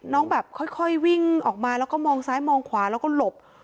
แบบค่อยวิ่งออกมาแล้วก็มองซ้ายมองขวาแล้วก็หลบ